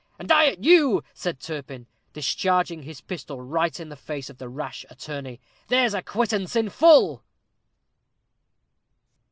"And I at you," said Turpin, discharging his pistol right in the face of the rash attorney; "there's a quittance in full."